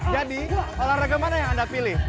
jadi olahraga mana yang anda pilih